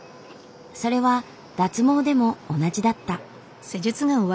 それは脱毛でも同じだった。